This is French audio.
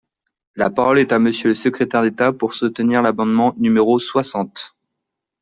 La parole est à Monsieur le secrétaire d’État, pour soutenir l’amendement numéro soixante.